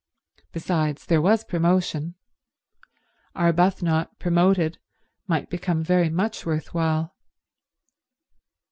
Besides, there was promotion. Arbuthnot, promoted, might become very much worth while.